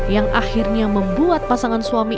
yang akhirnya membuat pasangan suami